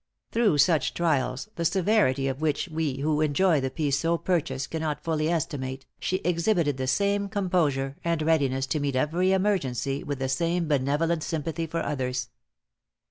Through such trials, the severity of which we who enjoy the peace so purchased cannot fully estimate, she exhibited the same composure, and readiness to meet every emergency, with the same benevolent sympathy for others.